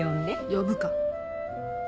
呼ぶか！